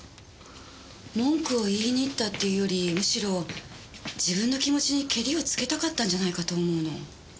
文句を言いにいったっていうよりむしろ自分の気持ちにけりをつけたかったんじゃないかと思うの。